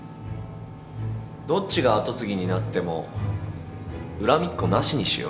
どっちが跡継ぎになっても恨みっこなしにしよう。